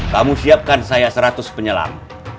kamu siapkan saya seratus penyelam